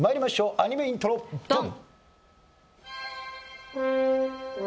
アニメイントロドン！